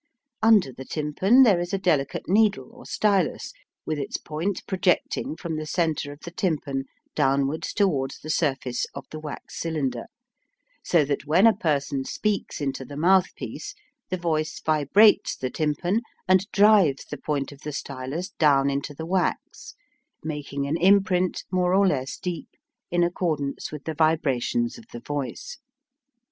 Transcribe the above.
Under the tympan there is a delicate needle or stylus, with its point projecting from the centre of the tympan downwards to the surface of the wax cylinder, so that when a person speaks into the mouthpiece, the voice vibrates the tympan and drives the point of the stylus down into the wax, making an imprint more or less deep in accordance with the vibrations of the voice.